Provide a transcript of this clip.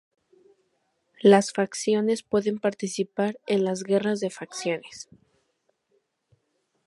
Las facciones pueden participar en las Guerras de Facciones.